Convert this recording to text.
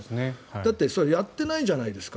だって、やってないじゃないですか。